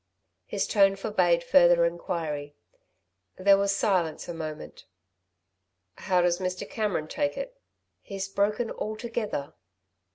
His tone forbade further inquiry. There was silence a moment. "How does Mr. Cameron take it?" "He's broken altogether."